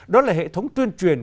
đó là hệ thống tuyên truyền